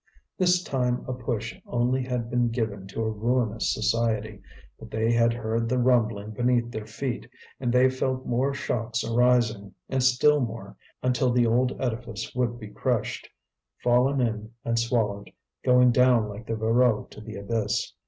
This time a push only had been given to a ruinous society, but they had heard the rumbling beneath their feet, and they felt more shocks arising, and still more, until the old edifice would be crushed, fallen in and swallowed, going down like the Voreux to the abyss.